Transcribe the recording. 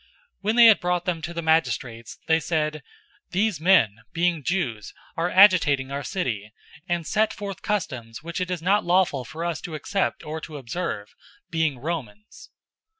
016:020 When they had brought them to the magistrates, they said, "These men, being Jews, are agitating our city, 016:021 and set forth customs which it is not lawful for us to accept or to observe, being Romans."